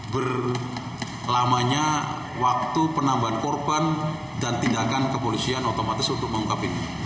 berlamanya waktu penambahan korban dan tindakan kepolisian otomatis untuk mengungkap ini